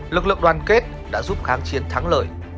lực lượng đoàn kết đã giúp kháng chiến thắng lợi